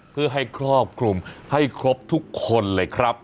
เพื่อให้ครอบคลุมให้ครบทุกคนเลยครับ